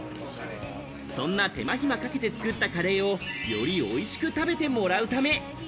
そんな手間暇かけて作ったカレーを、より美味しく食べてもらうため。